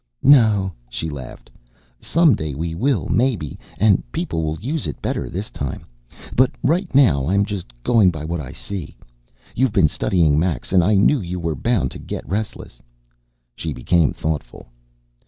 "No," she laughed. "Some day we will maybe and people will use it better this time. But right now I'm just going by what I see. You've been studying Max and I knew you were bound to get restless." She became thoughtful.